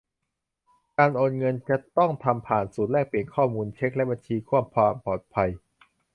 การโอนเงินจะต้องทำผ่านศูนย์แลกเปลี่ยนข้อมูลเช็กและบัญชีเพื่อความปลอดภัย